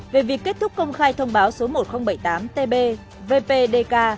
về việc kết thúc công khai thông báo số một nghìn bảy mươi tám tb vpdk